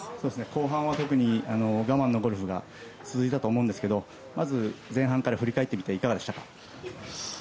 後半は特に我慢のゴルフが続いたと思いますがまず、前半から振り返ってみていかがでしたか。